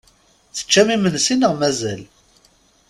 Teččamt imensi neɣ mazal?